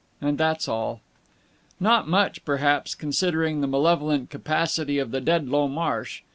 And that's all. Not much, perhaps, considering the malevolent capacity of the Dedlow Marsh.